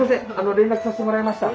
連絡させてもらいました。